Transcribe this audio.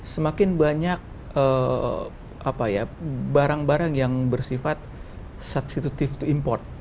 semakin banyak barang barang yang bersifat substitutive to import